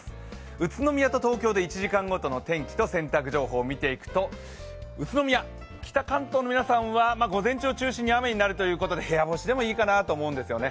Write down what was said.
宇都宮と東京で１時間ごとの洗濯情報を見ていくと、宇都宮は午前中を中心に雨になるということで部屋干しでもいいかなと思うんですよね。